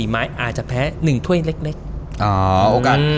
ไม้อาจจะแพ้๑ถ้วยเล็ก